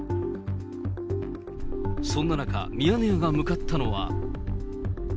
そんな中、ミヤネ屋が向かったのは。